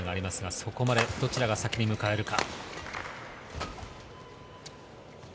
そこまで先にどちらが迎えるか？